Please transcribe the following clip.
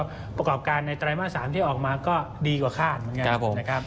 ประกอบการในไตรมาส๓ที่ออกมาก็ดีกว่าคาดเหมือนกันนะครับ